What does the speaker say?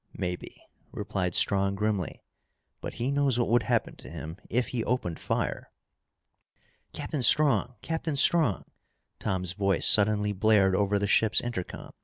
"Maybe," replied Strong grimly. "But he knows what would happen to him if he opened fire." "Captain Strong! Captain Strong!" Tom's voice suddenly blared over the ship's intercom.